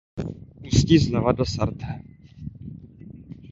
Ústí zleva do Sarthe.